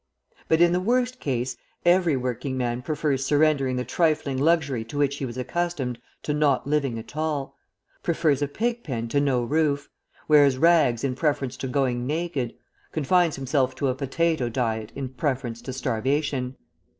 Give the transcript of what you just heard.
But in the worst case, every working man prefers surrendering the trifling luxury to which he was accustomed to not living at all; prefers a pig pen to no roof, wears rags in preference to going naked, confines himself to a potato diet in preference to starvation.